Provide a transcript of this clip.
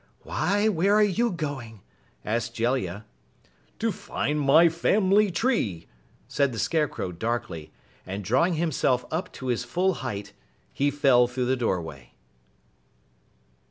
"Why, where are you going?" asked Jellia. "To find my family tree!" said the Scarecrow darkly, and drawing himself up to his full height, he fell through the doorway.